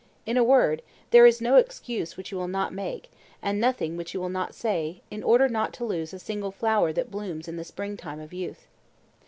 In a word, there is no excuse which you will not make, and nothing which you will not say, in order not to lose a single flower that blooms in the spring time of youth.